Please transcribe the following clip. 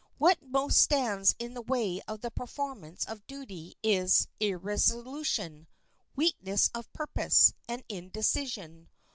What most stands in the way of the performance of duty is irresolution, weakness of purpose, and indecision.